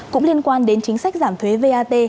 cũng liên quan đến chính sách giảm thuế vat